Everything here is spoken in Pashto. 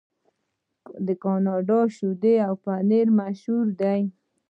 د کاناډا شیدې او پنیر مشهور دي.